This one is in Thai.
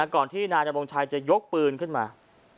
ก่อนที่นายดำรงชัยจะยกปืนขึ้นมา